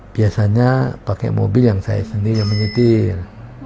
biasanya pakai mobil yang saya sendiri yang menyetir